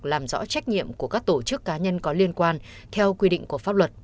làm rõ trách nhiệm của các tổ chức cá nhân có liên quan theo quy định của pháp luật